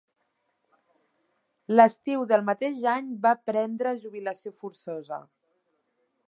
L'estiu del mateix any va prendre la jubilació forçosa.